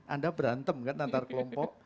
anda berantem kan antar kelompok